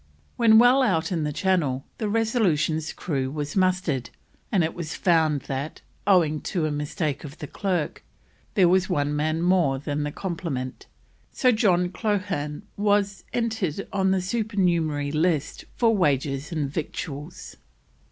When well out in the Channel the Resolution's crew was mustered, and it was found that, owing to a mistake of the clerk, there was one man more than the complement, so John Coghlan was entered on the Supernumerary List for Wages and Victuals.